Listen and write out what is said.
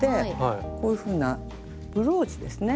こういうふうなブローチですね。